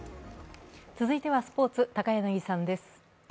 続いてはスポーツ、高柳さんです